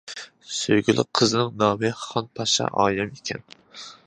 سۆيگۈلۈك قىزنىڭ نامى خان پاشا ئايىم ئىكەن.